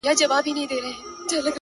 دلته برېتورو له مردیه لاس پرېولی دی-